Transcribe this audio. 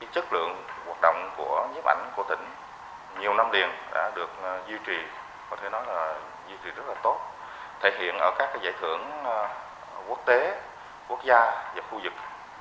câu lọc bộ nhếp ảnh bạc liêu đã được duy trì có thể nói là duy trì rất là tốt thể hiện ở các giải thưởng quốc tế quốc gia và khu vực